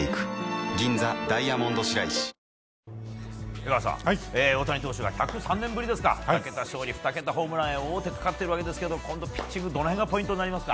江川さん、大谷投手が１０３年ぶりですか２桁勝利、２桁ホームランに王手がかかっていますが今度ピッチングどの辺がポイントになりますか？